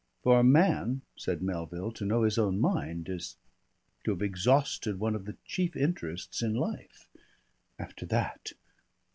"For a man," said Melville, "to know his own mind is to have exhausted one of the chief interests in life. After that